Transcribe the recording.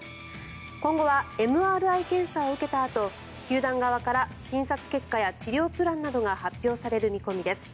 今後はＭＲＩ検査を受けたあと球団側から診察結果や治療プランなどが発表される見込みです。